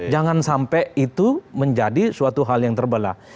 jangan sampai itu menjadi suatu hal yang terbelah